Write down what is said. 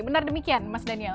benar demikian mas daniel